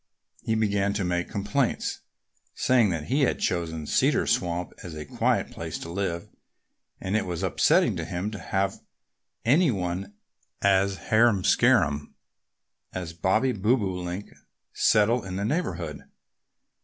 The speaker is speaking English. He began to make complaints, saying that he had chosen Cedar Swamp as a quiet place to live and it was upsetting to him to have any one as harum scarum as Bobby Bobolink settle in the neighborhood.